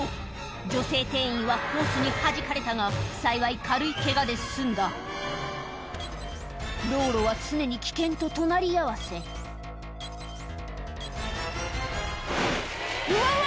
女性店員はホースにはじかれたが幸い軽いケガで済んだ道路は常に危険と隣り合わせうわわわ！